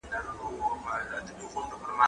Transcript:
که وخت وي، زدکړه کوم!